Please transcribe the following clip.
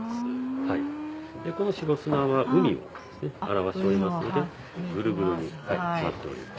この白砂は海を表しておりますのでグルグルになっております。